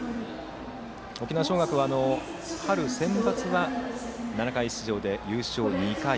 沖縄尚学は、春センバツは７回出場で優勝２回。